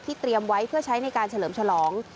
เตรียมไว้เพื่อใช้ในการเฉลิมฉลอง